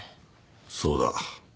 そうだ。